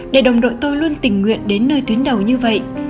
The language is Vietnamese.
để đồng đội tôi luôn tình nguyện đến nơi tuyến đầu nhé